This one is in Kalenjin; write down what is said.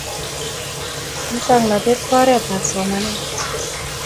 Musongnotet ko oret ab somanet